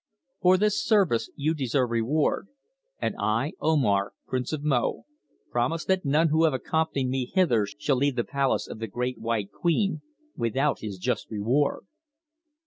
For this service you deserve reward, and I, Omar, Prince of Mo, promise that none who have accompanied me hither shall leave the palace of the Great White Queen without his just reward."